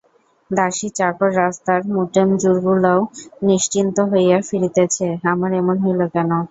দাসী চাকর রাস্তার মুটেমজুরগুলাও নিশ্চিন্ত হইয়া ফিরিতেছে, আমার এমন হইল কেন।